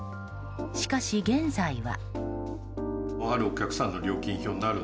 しかし、現在は。